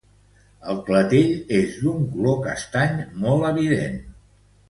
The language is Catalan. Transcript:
El clatell és d'un color castany molt evident.